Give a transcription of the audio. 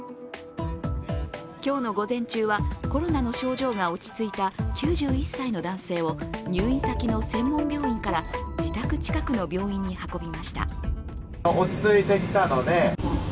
今日の午前中は、コロナの症状が落ち着いた９１歳の男性を入院先の専門病院から自宅近くの病院に運びました。